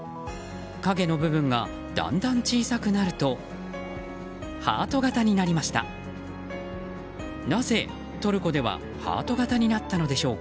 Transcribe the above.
影の部分がだんだん小さくなるとハート形になりました。